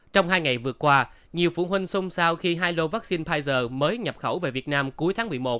trong hai ngày vừa qua nhiều phụ huynh xông xao khi hai lô vaccine pfizer mới nhập khẩu về việt nam cuối tháng một mươi một